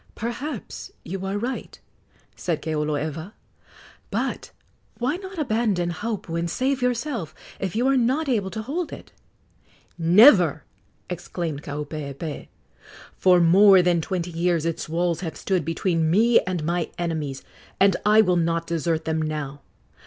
"Perhaps you are right," said Keoloewa; "but why not abandon Haupu and save yourself, if you are not able to hold it?" "Never!" exclaimed Kaupeepee. "For more than twenty years its walls have stood between me and my enemies, and I will not desert them now.